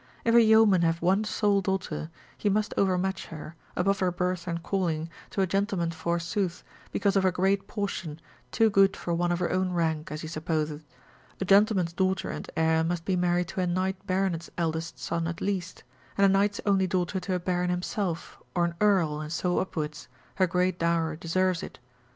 If a yeoman have one sole daughter, he must overmatch her, above her birth and calling, to a gentleman forsooth, because of her great portion, too good for one of her own rank, as he supposeth: a gentleman's daughter and heir must be married to a knight baronet's eldest son at least; and a knight's only daughter to a baron himself, or an earl, and so upwards, her great dower deserves it.